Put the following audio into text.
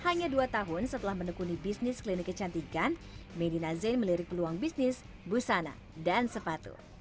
hanya dua tahun setelah menekuni bisnis klinik kecantikan medina zain melirik peluang bisnis busana dan sepatu